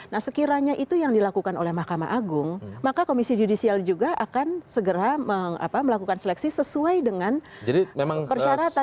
nah sekiranya itu yang dilakukan oleh mahkamah agung maka komisi judisial juga akan segera melakukan seleksi sesuai dengan persyaratan